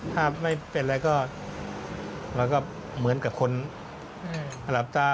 ถ้าไม่เป็นอะไรก็เราก็เหมือนกับคนหลับตา